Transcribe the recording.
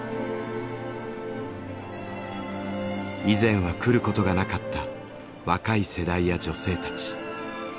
以前は来ることがなかった若い世代や女性たち。